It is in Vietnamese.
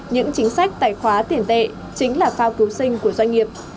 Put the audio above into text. những chính sách tài khoá tiền tệ chính là phao cứu sinh của doanh nghiệp